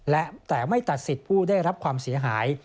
และแต่ไม่ตัดสิทธิ์ผู้ได้รับความเสียหาย